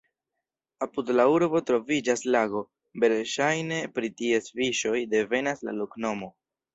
Apud la urbo troviĝas lago, verŝajne pri ties fiŝoj devenas la loknomo.